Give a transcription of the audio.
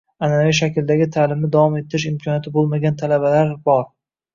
Anʼanaviy shakldagi taʼlimni davom ettirish imkoniyati boʻlmagan talabalar bor